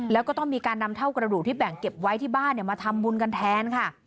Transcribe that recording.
แล้วก็ต้องมีการนำเท่ากระดูกที่แบ่งเก็บไว้ที่บ้านมาทำบุญกันแทนค่ะ